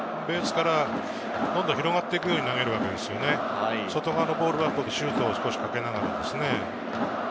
ベースからどんどん広がっていくように投げるわけですよね、外側のボールだとシュートをかけながら。